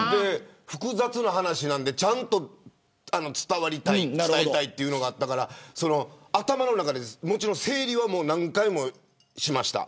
複雑な話なんでちゃんと伝えたいというのがあったから頭の中で整理は何回もしました。